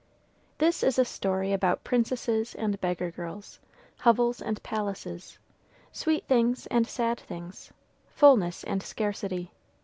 This is a story about princesses and beggar girls, hovels and palaces, sweet things and sad things, fullness and scarcity.